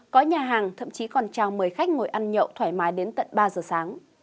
có nhà hàng thậm chí còn trao mời khách ngồi ăn nhậu thoải mái đến tận ba giờ sáng